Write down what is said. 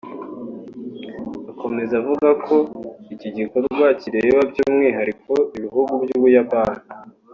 Akomeza avuga ko iki gikorwa kireba by’umwihariko ibihugu by’u Buyapani